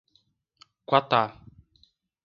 Quatá